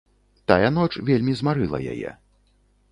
Тая ноч вельмі змарыла яе.